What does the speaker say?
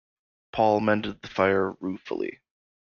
Paul mended the fire ruefully.